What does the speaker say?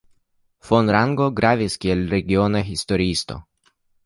Von Rango gravis kiel regiona historiisto.